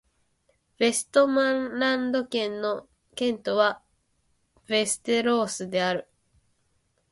ヴェストマンランド県の県都はヴェステロースである